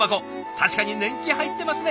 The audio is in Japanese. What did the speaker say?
確かに年季入ってますね。